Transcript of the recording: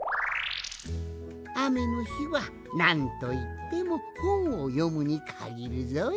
あめのひはなんといってもほんをよむにかぎるぞい。